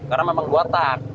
karena memang buatan